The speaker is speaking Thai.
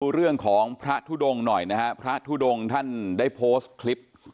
เรื่องของพระทุดงหน่อยนะฮะพระทุดงท่านได้โพสต์คลิป